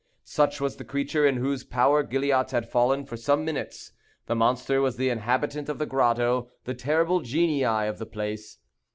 Such was the creature in whose power Gilliatt had fallen for some minutes. The monster was the inhabitant of the grotto; the terrible genii of the place.